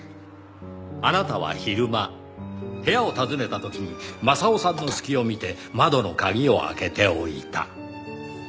あなたは昼間部屋を訪ねた時に雅夫さんの隙を見て窓の鍵を開けておいた。